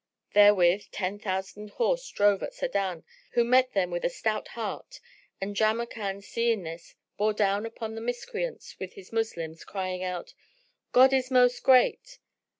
Therewith ten thousand horse drove at Sa'adan who met them with a stout heart; and Jamrkan, seeing this, bore down upon the Miscreants with his Moslems, crying out, "God is Most Great!"